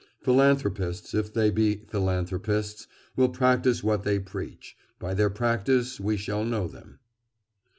Philanthropists, if they be philanthropists, will practise what they preach; by their practice we shall know them.